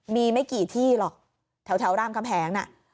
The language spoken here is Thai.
มีไม่กี่ที่หรอกแถวรามคำแหงน่ะ